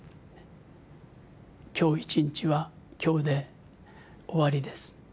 今日１日は今日で終わりです。